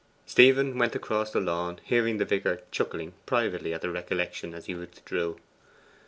Stephen went across the lawn, hearing the vicar chuckling privately at the recollection as he withdrew.